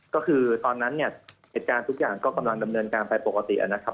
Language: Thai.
ก็คือตอนนั้นเนี่ยเหตุการณ์ทุกอย่างก็กำลังดำเนินการไปปกตินะครับ